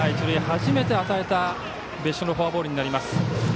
初めて与えた別所のフォアボールになります。